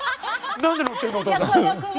何で乗ってるのお父さん！」。